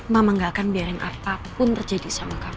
mama gak akan biarin apapun terjadi sama kamu